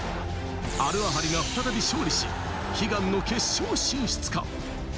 アルアハリが再び勝利し、悲願の決勝進出か。